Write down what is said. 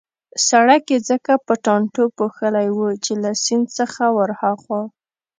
سړک يې ځکه په ټانټو پوښلی وو چې له سیند څخه ورهاخوا.